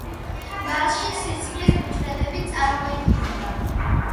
მასში სისხლის უჯრედები წარმოიქმნება.